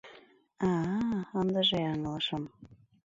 А-а-а... ындыже ыҥлышым...